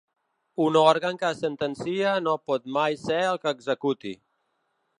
Un òrgan que sentencia no pot mai ser el que executi.